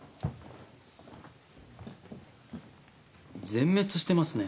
全滅してますね。